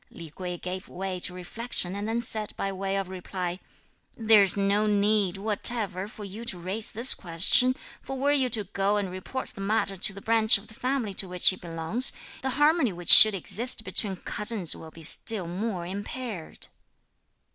Li Kuei gave way to reflection and then said by way of reply: "There's no need whatever for you to raise this question; for were you to go and report the matter to the branch of the family to which he belongs, the harmony which should exist between cousins will be still more impaired."